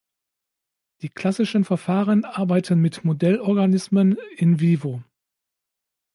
Die klassischen Verfahren arbeiten mit Modellorganismen "in vivo".